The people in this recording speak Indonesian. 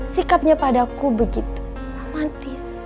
sikapnya padaku begitu romantis